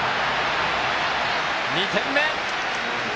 ２点目！